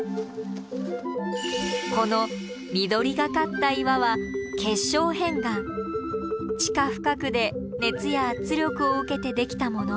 この緑がかった岩は地下深くで熱や圧力を受けてできたもの。